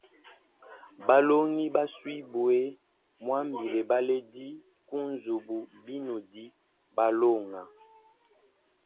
Balongi basuibwe, nwambile baledi kunzubu binudi balonga.